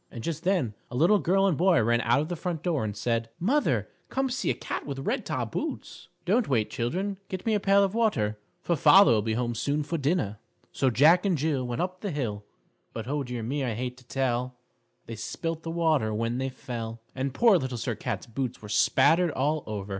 And just then a little girl and boy ran out of the front door, and said: "Mother, come see a cat with red top boots!" "Don't wait, children. Get me a pail of water, for father will be home soon for dinner." So Jack and Jill Went up the hill But, oh, dear me, I hate to tell They spilt the water when they fell. And poor Little Sir Cat's boots were spattered all over.